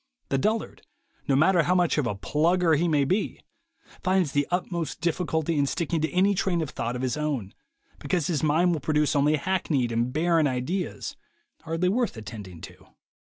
The dullard, no matter how much of a plugger he may be, finds the utmost difficulty in sticking to any train of thought of his own, because his mind will produce only hackneyed and barren ideas, hardly worth attending to.